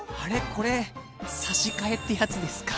これ差し替えってやつですか？